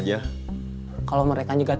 dan ada pertunangan